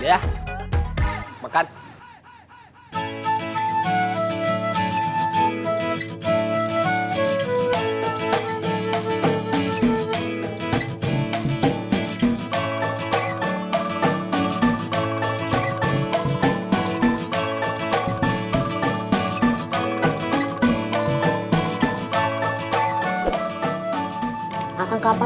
selamat datang kembali